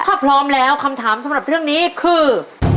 ถ้าพร้อมแล้วคำถามสำหรับเรื่องนี้คือ